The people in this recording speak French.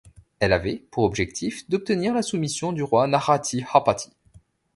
Elle avait pour objectif d'obtenir la soumission du roi Narathihapati.